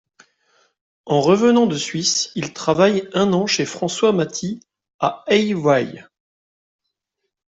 En revenant de Suisse, il travaille un an chez François Mathy à Aywaille.